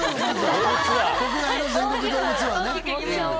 国内の全国ドームツアーね。